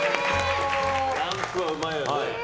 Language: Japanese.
ランプはうまいだろ。